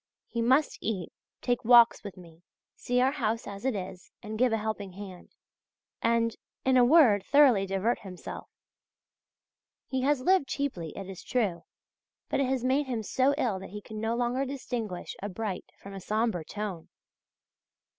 He must eat, take walks with me, see our house as it is, and give a helping hand,{GG} and, in a word, thoroughly divert himself. He has lived cheaply, it is true, but it has made him so ill that he can no longer distinguish a bright from a sombre tone.